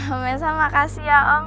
om mesa makasih ya om